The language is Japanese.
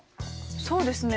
そうですね。